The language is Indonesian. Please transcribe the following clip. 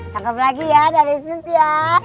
tangkap lagi ya dari sus ya